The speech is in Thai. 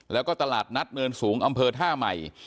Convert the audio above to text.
แล้วก็ตลาดนัดเนินสูงอำเภอท่าใหม่